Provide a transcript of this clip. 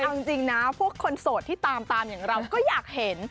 เอาจริงนะพวกคนโสดที่ตามตามอย่างเราก็อยากเห็น